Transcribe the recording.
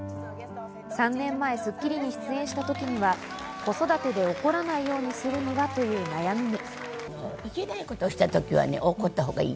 ３年前『スッキリ』に出演した時には子育てで怒らないようにするにはという悩みに。